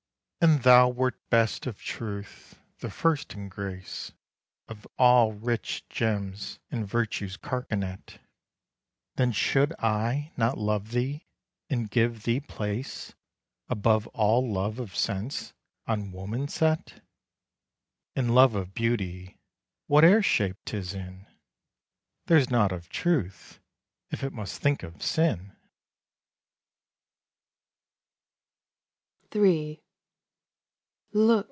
And thou wert best of Truth, the first in grace Of all rich gems in Virtue's carcanet; Then should I not love thee and give thee place Above all love of sense on woman set? In love of Beauty, whate'er shape 'tis in, There's nought of Truth, if it must think of sin.